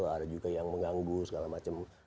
ada juga yang mengganggu segala macam